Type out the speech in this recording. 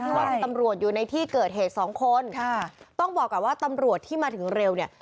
ว่ามีตำรวจอยู่ในที่เกิดเหตุสองคนค่ะต้องบอกก่อนว่าตำรวจที่มาถึงเร็วเนี่ย